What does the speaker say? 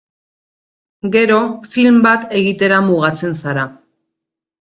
Gero, film bat egitera mugatzen zara.